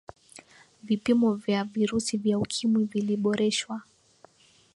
vipimo vya virusi vya ukimwi viliboreshwa